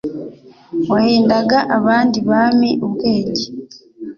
wahendaga abandi bami ubwenge,